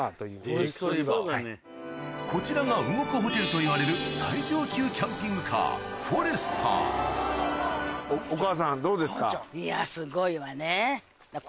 こちらが動くホテルといわれる最上級キャンピングカーお母さんどうですか？